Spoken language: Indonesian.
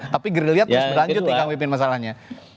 tapi gerilya terus berlanjut nih kang pipin masalahnya